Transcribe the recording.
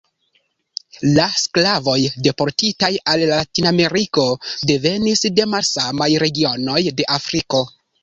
La sklavoj deportitaj al Latinameriko devenis de malsamaj regionoj de Afriko.